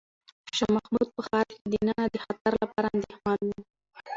شاه محمود په ښار کې دننه د خطر لپاره اندېښمن و.